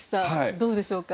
どうでしょうか？